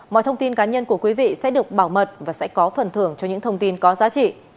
mọi thông tin cá nhân của quý vị sẽ được bảo mật và sẽ có phần thưởng cho những thông tin có giá trị